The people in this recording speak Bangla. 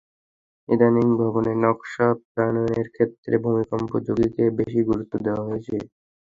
ইদানীং ভবনের নকশা প্রণয়নের ক্ষেত্রে ভূমিকম্প ঝুঁকিকে বেশি গুরুত্ব দেওয়া হচ্ছে।